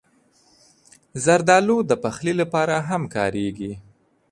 زردالو د پخلي لپاره هم کارېږي.